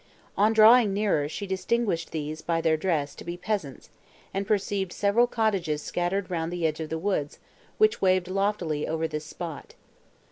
On drawing nearer, she distinguished these, by their dress, to be peasants, and perceived several cottages scattered round the edge of the woods, which waved loftily over this spot.